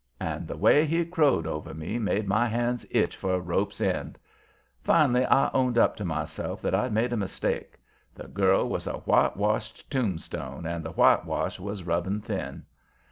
And the way he crowed over me made my hands itch for a rope's end. Finally I owned up to myself that I'd made a mistake; the girl was a whitewashed tombstone and the whitewash was rubbing thin.